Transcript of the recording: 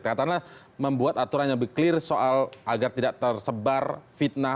karena membuat aturan yang lebih clear soal agar tidak tersebar fitnah